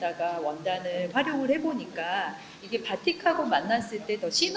pakaian kami menjadi lebih keras dan pakaiannya lebih keren